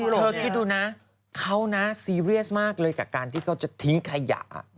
ยุโรปนี่แหละเธอคิดดูนะเขาน่าซีเรียสมากเลยกับการที่เขาจะทิ้งขยะ